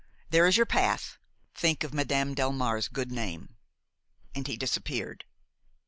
There is your path–think of Madame Delmare's good name." And he disappeared.